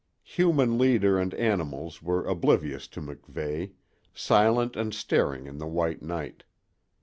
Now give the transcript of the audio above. Human leader and animals were oblivious to MacVeigh, silent and staring in the white night.